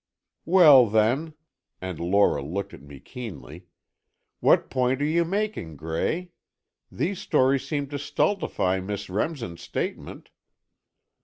"Well, then," and Lora looked at me keenly, "what point are you making, Gray? These stories seem to stultify Miss Remsen's statement."